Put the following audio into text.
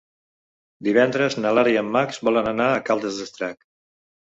Divendres na Lara i en Max volen anar a Caldes d'Estrac.